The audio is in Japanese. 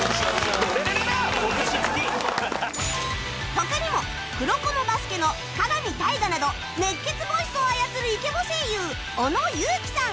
他にも『黒子のバスケ』の火神大我など熱血ボイスを操るイケボ声優小野友樹さん